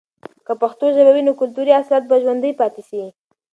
که پښتو ژبه وي، نو کلتوری اصالت به ژوندۍ پاتې سي.